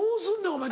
お前。